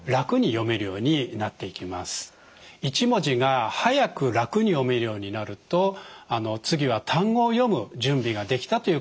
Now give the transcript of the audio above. １文字が速く楽に読めるようになると次は単語を読む準備ができたということになります。